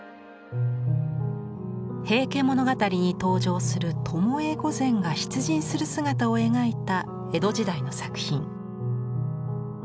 「平家物語」に登場する巴御前が出陣する姿を描いた江戸時代の作品。